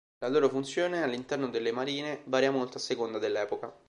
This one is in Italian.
La loro funzione, all'interno delle marine, varia molto, a seconda dell'epoca.